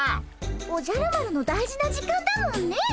おじゃる丸の大事な時間だもんね。